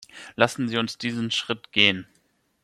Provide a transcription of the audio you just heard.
Lassen Sie uns diesen Schritt gehen.